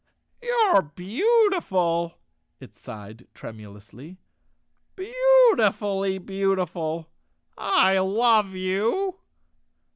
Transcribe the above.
"You're beautiful," it sighed tremulously, "beautifully beau¬ tiful. I love you!"